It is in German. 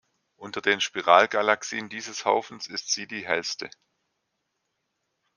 Unter den Spiralgalaxien dieses Haufens ist sie die hellste.